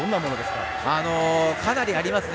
かなりありますね。